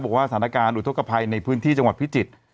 บอกว่าสถานการณ์อุทธกภัยในพื้นที่จังหวัดพิจิตร